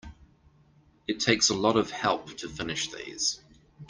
It takes a lot of help to finish these.